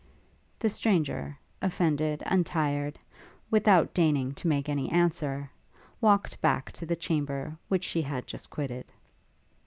The stranger, offended and tired, without deigning to make any answer, walked back to the chamber which she had just quitted.